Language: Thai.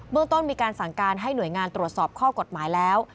เมืองต้นมีการสั่งการให้หน่วยงานตรวจสอบข้อกฎหมายแล้ว